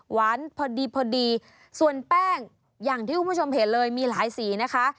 พอดีพอดีส่วนแป้งอย่างที่คุณผู้ชมเห็นเลยมีหลายสีนะคะ